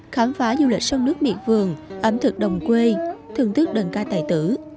khám phá du lịch sông nước miệt vườn ẩm thực đồng quê thương thức đần ca tài tử